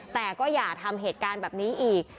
แต่ก็อย่าทำเหตุการณ์แบบนี้อีก